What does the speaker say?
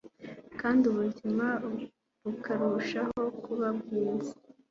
kandi ubuzima bukarushaho kuba bwiza.